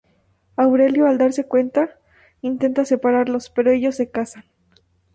Aurelio, al darse cuenta, intenta separarlos, pero ellos se casan.